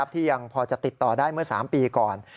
ที่ยังพอจะติดต่อได้เมื่อ๓ปีก่อน